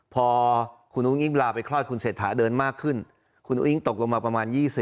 พอคุณอุ้งอิงลาไปคลอดคุณเศรษฐาเดินมากขึ้นคุณอุ้งตกลงมาประมาณ๒๐